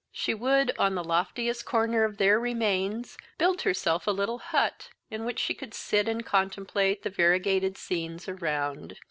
She would, on the loftiest corner of their remains, build herself a little hut, in which she could sit and contemplate the variegated scenes around.